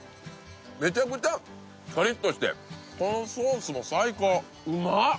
めちゃくちゃカリッとしてこのソースも最高うまっ！